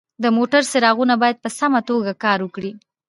د موټر څراغونه باید په سمه توګه کار وکړي.